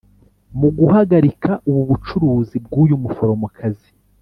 Mu guhagarika ubu bucuruzi bw;uyu muforomokazi